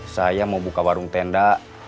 saya mau buka warung tenda